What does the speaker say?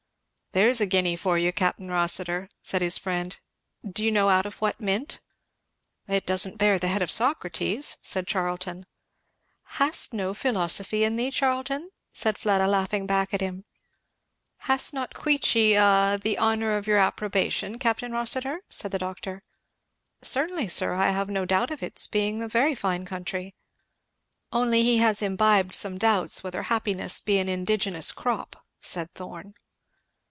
'" "There's a guinea for you, Capt. Rossitur," said his friend. "Do you know out of what mint?" "It doesn't bear the head of Socrates," said Charlton. "'Hast no philosophy in thee,' Charlton?" said Fleda laughing back at him. "Has not Queechy a the honour of your approbation, Capt. Rossitur?" said the doctor. "Certainly sir I have no doubt of its being a very fine country." "Only he has imbibed some doubts whether happiness be an indigenous crop," said Thorn.